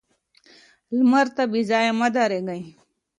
لمر ته بې ځايه مه درېږه